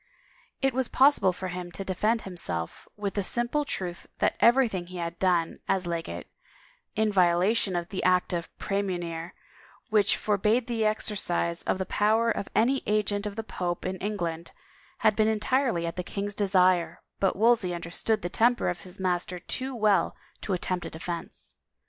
It was possible for him to defend himself with the simple truth that everything he had done, as legate, in violation of the Act of Praemunire which forbade the exercise of the power of any agent of the pope in Eng land, had been entirely at the king's desire, but Wolsey understood the temper of his master too well to attempt a defense.